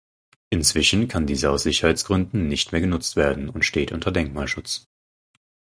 Inzwischen kann diese aus Sicherheitsgründen nicht mehr genutzt werden und steht unter Denkmalschutz.